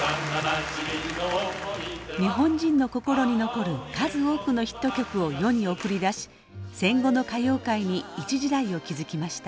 日本人の心に残る数多くのヒット曲を世に送り出し戦後の歌謡界に一時代を築きました。